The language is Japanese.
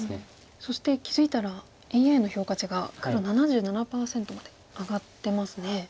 そして気付いたらＡＩの評価値が黒７７％まで上がってますね。